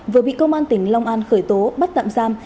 vừa bị công an tỉnh long an khởi tố bắt tạm giam